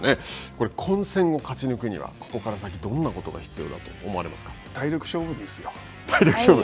これ、混戦を勝ち抜くには、ここから先、どんなことが必要だと思体力勝負ですよ。